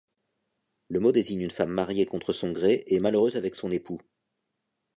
Le mot désigne une femme mariée contre son gré et malheureuse avec son époux.